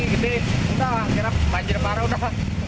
kita kira banjir parah udah